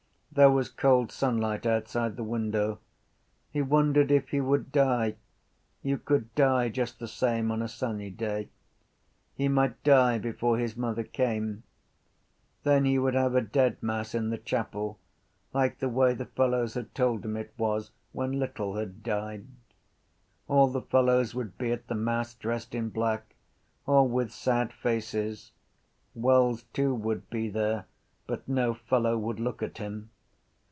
There was cold sunlight outside the window. He wondered if he would die. You could die just the same on a sunny day. He might die before his mother came. Then he would have a dead mass in the chapel like the way the fellows had told him it was when Little had died. All the fellows would be at the mass, dressed in black, all with sad faces. Wells too would be there but no fellow would look at him.